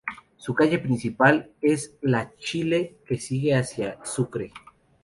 Su calle principal es la Chile que sigue hacia Sucre.